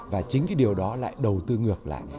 và chính cái điều đó lại đầu tư ngược lại